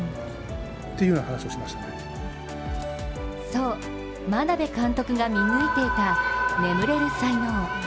そう、眞鍋監督が見抜いていた眠れる才能。